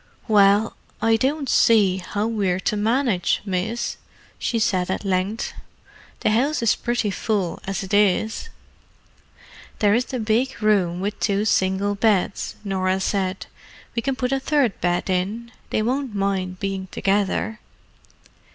"Well, I don't see how we're to manage, miss," she said at length. "The house is pretty full as it is." "There is the big room with two single beds," Norah said. "We can put a third bed in. They won't mind being together."